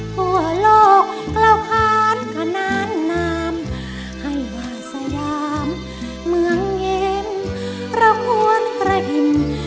ขอบคุณครับ